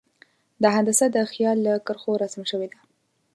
دا هندسه د خیال له کرښو رسم شوې ده.